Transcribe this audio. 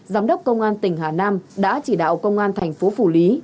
giám đốc công an tỉnh hà nam đã chỉ đạo công an thành phố phủ lý